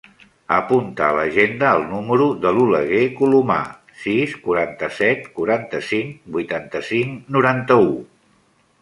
Apunta a l'agenda el número de l'Oleguer Colomar: sis, quaranta-set, quaranta-cinc, vuitanta-cinc, noranta-u.